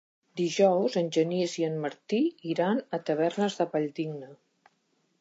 Dijous en Genís i en Martí iran a Tavernes de la Valldigna.